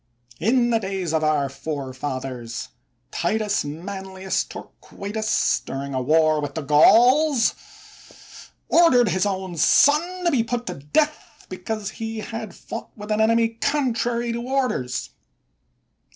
In the days of our faref athers, Titus Manlius Torquatus, during a war with the Gauls, ordered his own son to be put to death, because he had fought with an enemy contrary to orders.